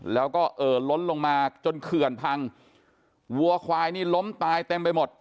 แล้วก็เอ่อล้นลงมาจนเขื่อนพังวัวควายนี่ล้มตายเต็มไปหมด